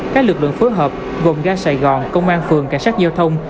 các lực lượng phối hợp gồm ga sài gòn công an phường cảnh sát giao thông